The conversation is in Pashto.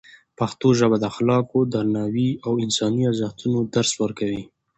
پښتو ژبه د اخلاقو، درناوي او انساني ارزښتونو درس ورکوي.